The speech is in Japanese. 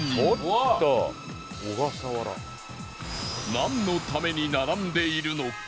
なんのために並んでいるのか？